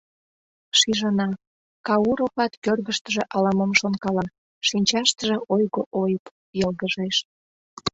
Шижына: Кауроват кӧргыштыжӧ ала-мом шонкала, шинчаштыже ойго ойып йылгыжеш.